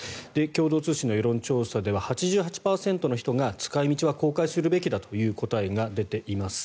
共同通信の世論調査では８８％の人が使い道は公開すべきだという答えが出ています。